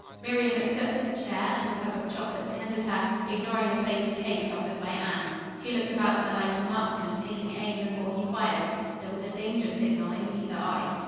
Miriam accepted the chair and the cup of chocolate tendered her, ignoring the plate of cakes offered by Anne. She looked about her like a marksman taking aim before he fires. There was a danger signal in either eye.